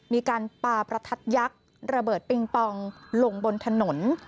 มีการปาประทัดยักษ์ระเบิดปิงปองลงบนถนน